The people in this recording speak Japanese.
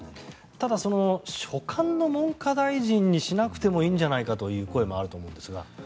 ただ所管の文科大臣にしなくてもいいんじゃないかという声もあると思うんですが。